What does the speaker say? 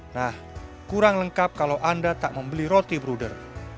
nah kurang lengkap kalau anda tak membeli roti bruder